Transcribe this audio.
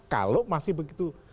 kalau masih begitu